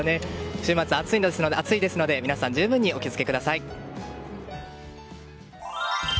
週末、暑いですので皆さん十分にお気をつけください。